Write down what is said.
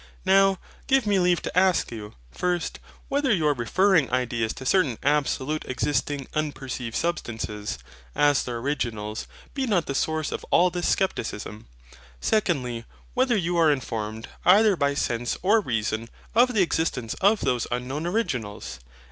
Now, give me leave to ask you, First, Whether your referring ideas to certain absolutely existing unperceived substances, as their originals, be not the source of all this scepticism? Secondly, whether you are informed, either by sense or reason, of the existence of those unknown originals?